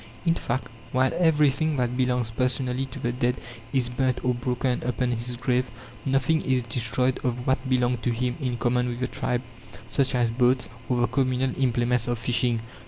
In fact, while everything that belongs personally to the dead is burnt or broken upon his grave, nothing is destroyed of what belonged to him in common with the tribe, such as boats, or the communal implements of fishing.